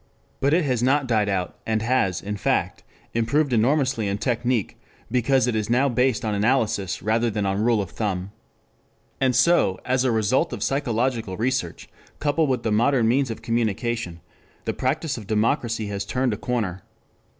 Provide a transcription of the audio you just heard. But it has not died out. It has, in fact, improved enormously in technic, because it is now based on analysis rather than on rule of thumb. And so, as a result of psychological research, coupled with the modern means of communication, the practice of democracy has turned a corner.